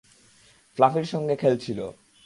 ফ্লাফির সঙ্গে খেলছিল।